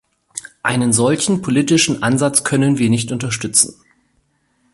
Einen solchen politischen Ansatz können wir nicht unterstützen.